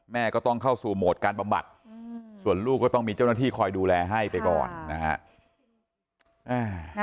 แม่ก็ต้องเข้าสู่โหมดการบำบัดส่วนลูกก็ต้องมีเจ้าหน้าที่คอยดูแลให้ไปก่อนนะฮะ